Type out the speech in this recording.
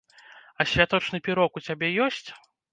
А святочны пірог у цябе ёсць?